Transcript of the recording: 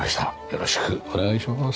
よろしくお願いします。